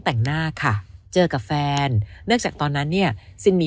แต่งหน้าค่ะเจอกับแฟนเนื่องจากตอนนั้นเนี่ยซินมี